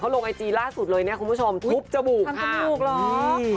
เขาลงไอจีล่าสุดเลยเนี่ยทุบจบูกค่ะ